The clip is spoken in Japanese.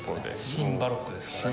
シン・バロックですからね。